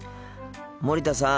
森田さん。